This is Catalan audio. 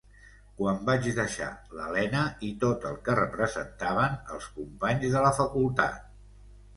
Quan vaig deixar l'Elena i tot el que representaven els companys de la Facultat.